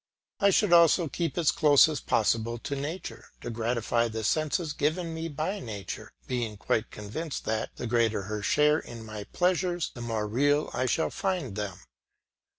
I should also keep as close as possible to nature, to gratify the senses given me by nature, being quite convinced that, the greater her share in my pleasures, the more real I shall find them.